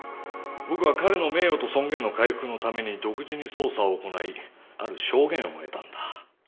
僕は彼の名誉と尊厳の回復のために独自に捜査を行いある証言を得たんだ。